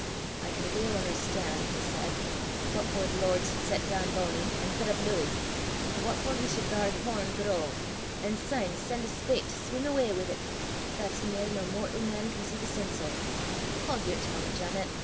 "I can weel un'erstan'," he said, "what for the Lord sud set doon Bony an' set up Louy, but what for he sud gar corn grow, an' syne sen' a spate to sweem awa wi' 't, that's mair nor mortal man can see the sense o'. Haud yer tongue, Janet.